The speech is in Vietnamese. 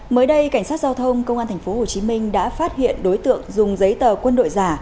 mới đây cảnh sát giao thông công an tp hcm đã phát hiện đối tượng dùng giấy tờ quân đội giả